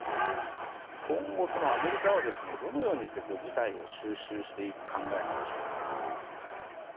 今後、アメリカはどのようにして事態を収拾していく考えなんでしょうか。